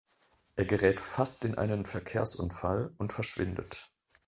Er gerät fast in einen Verkehrsunfall und verschwindet.